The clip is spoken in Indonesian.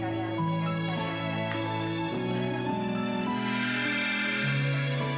eh iya aku mau pergi